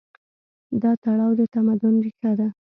دا تړاو د تمدن ریښه ده.